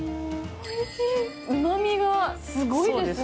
うまみがすごいですね。